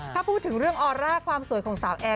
ถ้าพูดถึงเรื่องออร่าความสวยของสาวแอร์